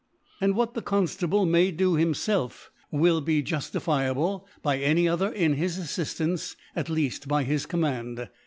And what the Conftable may do himfelf will bejuftifiablc by any other in ' his Adiftance, at leaft, by his Command J.